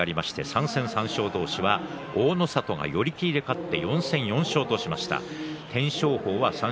３戦３勝同士は大の里が寄り切りで勝って４戦４勝としました。